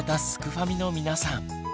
ファミの皆さん